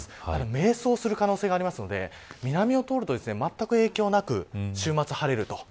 迷走する可能性があるので南を通ると全く影響なく週末、晴れる。